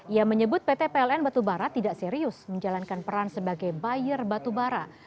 ia menyebut pt pln batubara tidak serius menjalankan peran sebagai buyer batubara